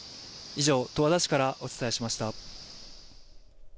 以上十和田市からお伝えしました。